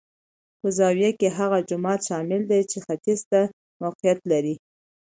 په زاویه کې هغه جومات شامل دی چې ختیځ ته موقعیت لري.